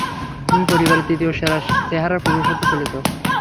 তুমি পরিবারের তৃতীয় সেরা চেহারার পুরুষ হতে চলেছ।